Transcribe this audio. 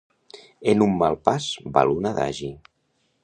En un mal pas val un adagi.